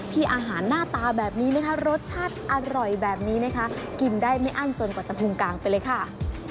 อาหารหน้าตาแบบนี้นะคะรสชาติอร่อยแบบนี้นะคะกินได้ไม่อั้นจนกว่าจะพุงกางไปเลยค่ะ